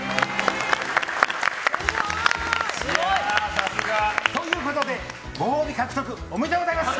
さすが！ということでご褒美獲得おめでとうございます！